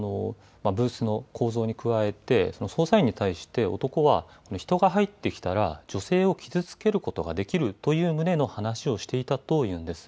こうしたブースの構造に加えて捜査員に対して男は人が入ってきたら女性を傷つけることができるという旨の話をしていたというんです。